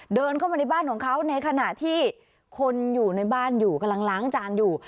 เดินเข้ามาในบ้านของเขาในขณะที่คนอยู่ในบ้านอยู่กำลังล้างจานอยู่